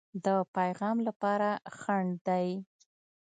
د پیغام لپاره خنډ دی.